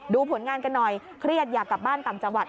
ผลงานกันหน่อยเครียดอยากกลับบ้านต่างจังหวัด